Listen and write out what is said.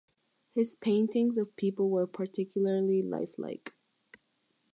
His paintings of people were particularly lifelike.